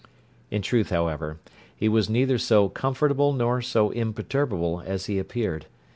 In truth, however, he was neither so comfortable nor so imperturbable as he appeared.